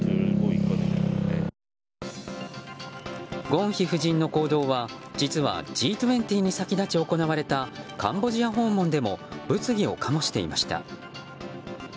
ゴンヒ夫人の行動は実は、Ｇ２０に先立ち行われたカンボジア訪問でも物議を醸していました。